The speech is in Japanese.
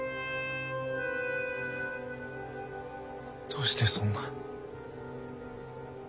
どうしてそんな。